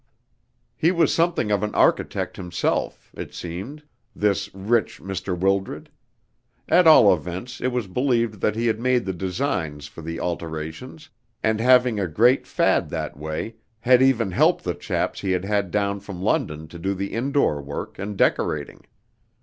He was something of an architect himself, it seemed this rich Mr. Wildred; at all events, it was believed that he had made the designs for the alterations, and having a great fad that way, had even helped the chaps he had had down from London to do the indoor work and decorating.